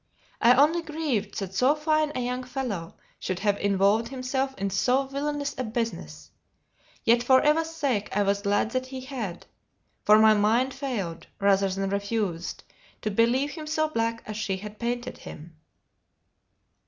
I only grieved that so fine a young fellow should have involved himself in so villainous a business; yet for Eva's sake I was glad that he had; for my mind failed (rather than refused) to believe him so black as she had painted him.